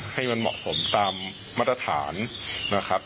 ให้มันเหมาะสมตามมาตรฐานนะครับ